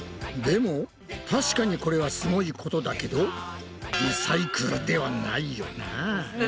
でも確かにこれはすごいことだけどリサイクルではないよな？